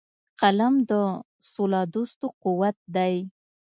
قلم د سولهدوستو قوت دی